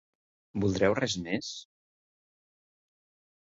Voldreu res més?